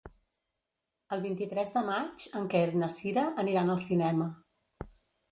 El vint-i-tres de maig en Quer i na Cira aniran al cinema.